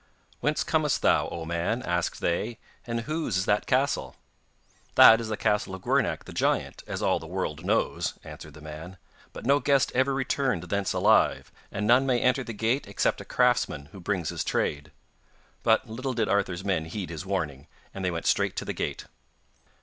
'Whence comest thou, O man?' asked they, 'and whose is that castle?' 'That is the castle of Gwrnach the giant, as all the world knows,' answered the man, 'but no guest ever returned thence alive, and none may enter the gate except a craftsman, who brings his trade.' But little did Arthur's men heed his warning, and they went straight to the gate.